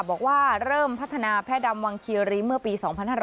บอกว่าเริ่มพัฒนาแพร่ดำวังคีรีเมื่อปี๒๕๕๙